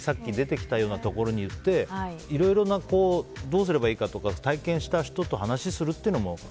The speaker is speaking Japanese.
さっき出てきたようなところに行っていろいろなどうすればいいかって経験した人と話するっていうのも。